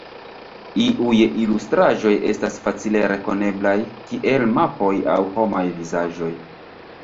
Iuj ilustraĵoj estas facile rekoneblaj, kiel mapoj aŭ homaj vizaĝoj.